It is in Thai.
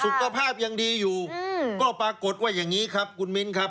สุขภาพยังดีอยู่ก็ปรากฏว่าอย่างนี้ครับคุณมิ้นครับ